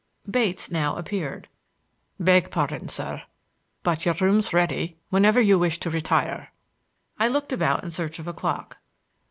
Bates now appeared. "Beg pardon, sir; but your room's ready whenever you wish to retire." I looked about in search of a clock.